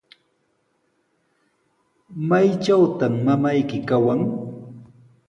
¿Maytrawtaq mamayki kawan?